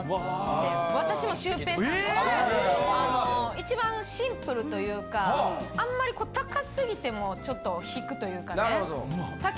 ・一番シンプルというかあんまり高すぎてもちょっと引くというかね。